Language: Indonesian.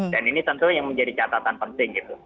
ini tentu yang menjadi catatan penting gitu